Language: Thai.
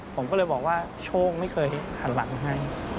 ผมก็เลยบอกว่าโชคไม่เคยหันหลังให้